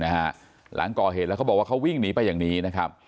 หลังก่อเหตุแล้วเขาบอกว่าเขาวิ่งหนีไปอย่างนี้นะครับ